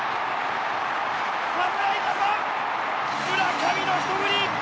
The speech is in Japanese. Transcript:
侍ジャパン村上のひと振り！